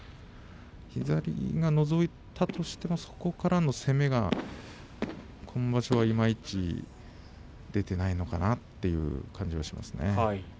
左がのぞいたとしてもそこからの攻めが今場所はいまいち出ていないのかなという、感じがしますね。